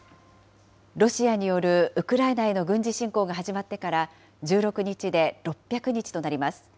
ロシアによるウクライナへの軍事侵攻が始まってから１６日で６００日となります。